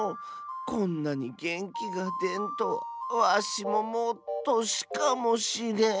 こんなにげんきがでんとはわしももうとしかもしれん。